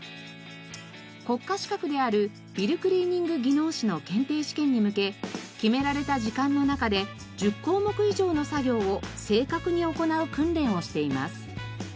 国家資格であるビルクリーニング技能士の検定試験に向け決められた時間の中で１０項目以上の作業を正確に行う訓練をしています。